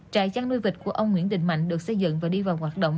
trại chăn nuôi vịt của ông nguyễn đình mạnh được xây dựng và đi vào hoạt động